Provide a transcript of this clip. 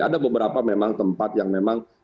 ada beberapa memang tempat yang memang